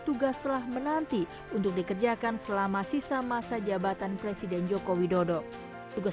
tugas telah menanti untuk dikerjakan selama sisa masa jabatan presiden joko widodo tugas